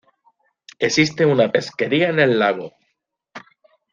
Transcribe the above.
Existe una pesquería en el lago.